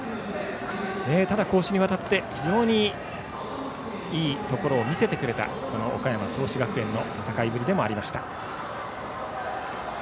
ただ、攻守にわたって非常にいいところを見せてくれたこの岡山・創志学園の戦いぶりでもありました。